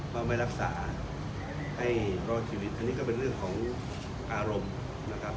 ว่าไม่รักษาให้รอดชีวิตอันนี้ก็เป็นเรื่องของอารมณ์นะครับ